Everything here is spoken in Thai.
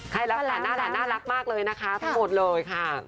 ไทรัตน์น่ารักมากเลยนะคะทั้งหมดเลยค่ะ